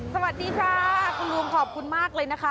สวัสดีค่ะคุณลุงขอบคุณมากเลยนะคะ